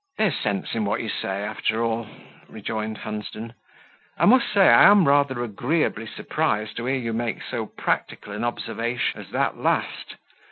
"There's sense in what you say, after all," rejoined Hunsden. "I must say I am rather agreeably surprised to hear you make so practical an observation as that last.